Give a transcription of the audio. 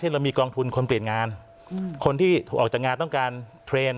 เรามีกองทุนคนเปลี่ยนงานคนที่ออกจากงานต้องการเทรนด์